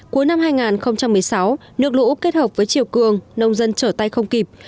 cuối năm hai nghìn một mươi sáu nước lũ kết hợp với chiều cường nông dân trở tay không kịp